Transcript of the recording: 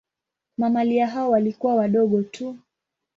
Mamalia hao walikuwa wadogo tu.